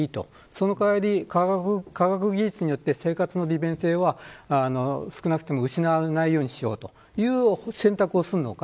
その代わり、科学技術で生活の利便性を少なくとも失わないようにしようという選択をするのか。